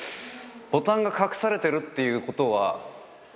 ボタンが隠されてるっていうことは。